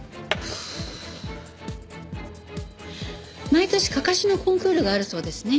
毎年かかしのコンクールがあるそうですね。